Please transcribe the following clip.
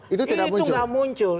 itu tidak muncul